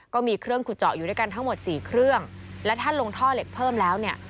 ก็มีเครื่องขุดเจาะอยู่ด้วยกันทั้งหมดสี่เครื่องและถ้าลงท่อเหล็กเพิ่มแล้วเนี่ย